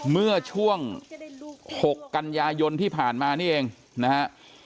เมื่อช่วง๖กันยายนที่ผ่านมานี่เองนะฮะ